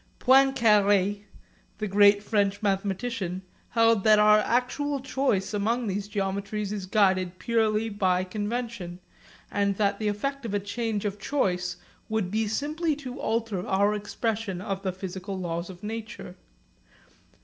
Poincaré, the great French mathematician, held that our actual choice among these geometries is guided purely by convention, and that the effect of a change of choice would be simply to alter our expression of the physical laws of nature.